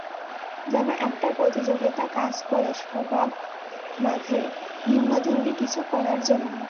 যেন একটা প্রতিযোগিতা কাজ করে সবাব মাঝে, ভিন্নধর্মী কিছু করার জন্য।